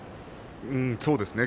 そうですね。